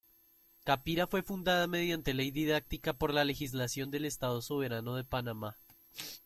Capira fue fundada mediante ley didáctica por la Legislación del Estado Soberano de Panamá.